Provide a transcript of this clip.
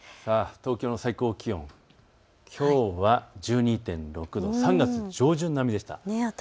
東京の最高気温、きょうは１２．６度、３月の上旬並みでした。